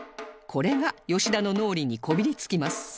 これが吉田の脳裏にこびりつきます